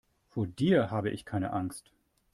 Vor dir habe ich keine Angst.